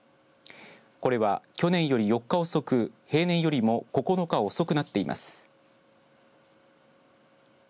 これは去年より４日遅く平年よりも９日遅くなっています。